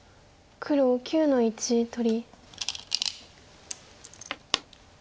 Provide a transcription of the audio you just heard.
黒１１の一取り。